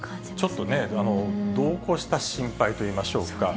ちょっとね、度を越した心配といいましょうか。